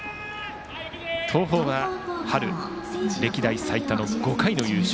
東邦は春歴代最多の５回の優勝